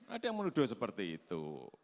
ada yang menuduh seperti itu